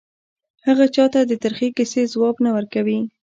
هغه چا ته د ترخې کیسې ځواب نه ورکوي